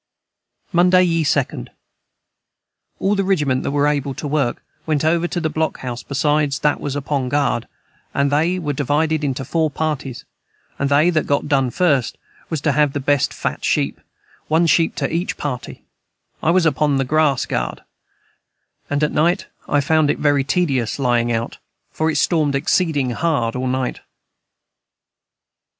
Monday ye 2nd. All the rigiment that were able to work went over to the Block House besides what wos upon guard and they were divided into 4 parties and they that got don first was to have the Best fat sheep 1 sheep to each party I was upon the grass Guard & at night I found it very tedious Lying out for it stormed exceding hard all night.